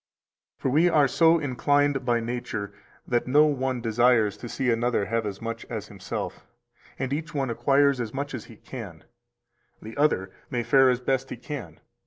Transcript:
297 For we are so inclined by nature that no one desires to see another have as much as himself, and each one acquires as much as he can; the other may fare as best he can.